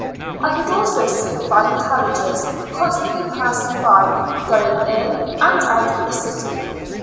I could also see fine carriages constantly passing by, going in and out of the city.